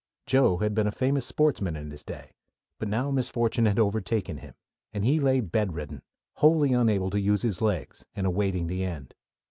Joe had been a famous sportsman in his day; but now misfortune had overtaken him, and he lay bedridden, wholly unable to use his legs, and awaiting the end.